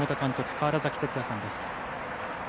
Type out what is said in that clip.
川原崎哲也さんです。